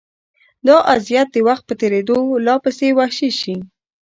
دا اذیت د وخت په تېرېدو لا پسې وحشي شي.